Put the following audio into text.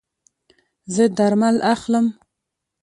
زه درمل اخلم